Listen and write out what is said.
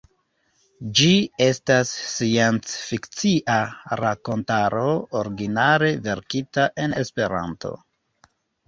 Ĝi estas sciencfikcia rakontaro originale verkita en Esperanto.